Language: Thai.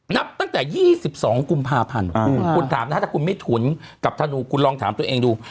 นับตั้งแต่๒๒กุมภาพันธ์คุณถามนะฮะถ้าคุณไม่ถุนกับธนูคุณลองถามตัวเองดู